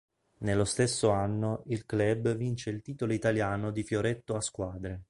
Nello stesso anno il club vince il titolo italiano di fioretto a squadre.